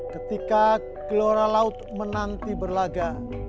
ketika gelora laut menanti berlaga